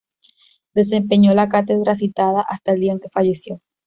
Desempeñó la cátedra citada hasta el día en que falleció.